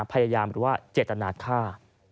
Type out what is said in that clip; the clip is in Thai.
พยายามหรือว่าเจตนาฆ่า